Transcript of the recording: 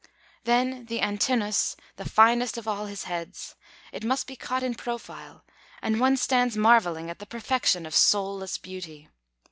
Then the Antinous, the finest of all his heads. It must be caught in profile, and one stands marvelling at the perfection of soulless beauty.